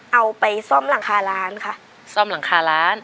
เอาไปซ่อมหลังคาร้านค่ะซ่อมหลังคาร้าน